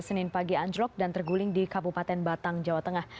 senin pagi anjlok dan terguling di kabupaten batang jawa tengah